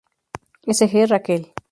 S G, Raquel.